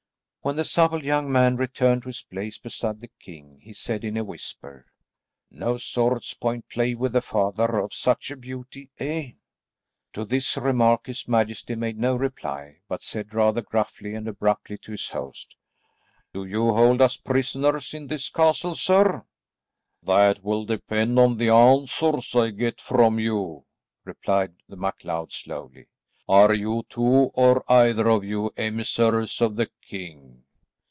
When the supple young man returned to his place beside the king he said in a whisper, "No sword's point play with the father of such a beauty, eh?" To this remark his majesty made no reply, but said rather gruffly and abruptly to his host, "Do you hold us prisoners in this castle, sir?" "That will depend on the answers I get from you," replied the MacLeod slowly. "Are you two or either of you, emissaries of the king?"